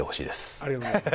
ありがとうございます。